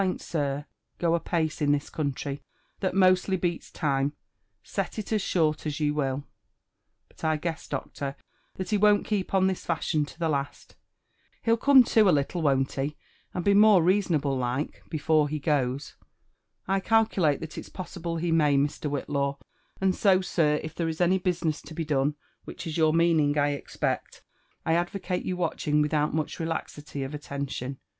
SI I cetnplaiiiti, tir, go a pami ia Ihte coumify Ibal laosUj bfiatd time, se'l it jia short as you wilK 'But I guessi 'do6tor» that ho won't keep on this fashion to the last 1 He'll COfBe to, a Htlle, won't he, and be more reasonable like before he goes?'' '^ I calculate that it's possible he may, Mr. Whitlaw; and so, sir, if there is any business to be don^, which is your niaaD{ng, I expect, I advocate your watching without much relaxity of aUention.